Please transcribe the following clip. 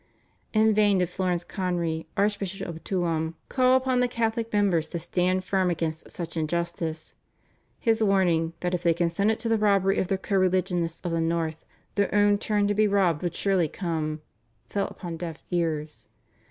In vain did Florence Conry, Archbishop of Tuam, call upon the Catholic members to stand firm against such injustice. His warning, that if they consented to the robbery of their co religionists of the North their own turn to be robbed would surely come, fell upon deaf ears.